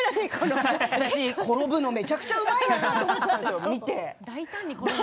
私、転ぶのめちゃくちゃうまいなと思って。